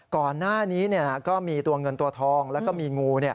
ก่อนหน้านี้ก็มีตัวเงินตัวทองแล้วก็มีงู